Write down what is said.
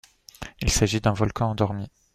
Il s'agit d'un volcan endormi.